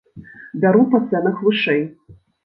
Бяру па цэнах вышэй!